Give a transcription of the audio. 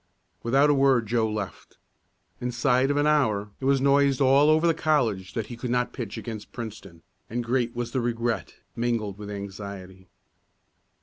Without a word Joe left. Inside of an hour it was noised all over the college that he could not pitch against Princeton, and great was the regret, mingled with anxiety.